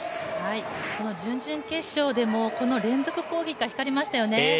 準々決勝でも連続攻撃が光りましたよね。